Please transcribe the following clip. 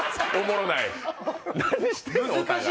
何してんの？お互い。